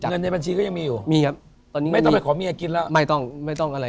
เงินในบัญชีก็ยังมีอยู่มีครับไม่ต้องไปขอเมียกินละไม่ต้องอะไร